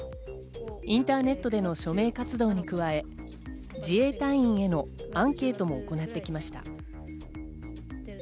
インターネットでの署名活動に加え、自衛隊員へのアンケートも行ってきました。